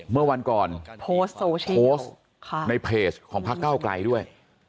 เมื่อวานก่อนโพสต์ในเพจของภักร์ก้าวกลายด้วย